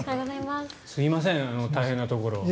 すみません、大変なところ。